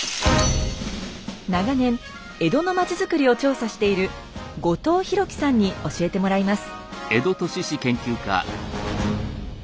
長年江戸の町づくりを調査している後藤宏樹さんに教えてもらいます。